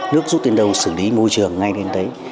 nước rút đến đâu xử lý môi trường ngay đến đấy